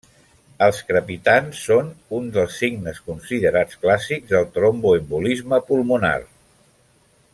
Els crepitants són un dels signes considerats clàssics del tromboembolisme pulmonar.